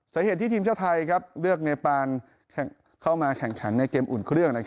สาเหตุที่ทีมชาติไทยเลือกเนปานเข้ามาแข่งขันในเกมอุ่นเครื่อง